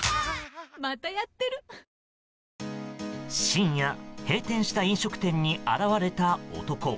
深夜閉店した飲食店に現れた男。